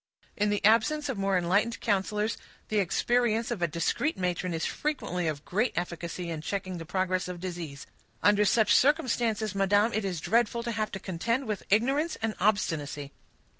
"In the absence of more enlightened counselors, the experience of a discreet matron is frequently of great efficacy in checking the progress of disease; under such circumstances, madam, it is dreadful to have to contend with ignorance and obstinacy."